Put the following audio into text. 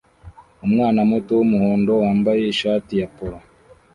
Umwana muto wumuhondo wambaye ishati ya polo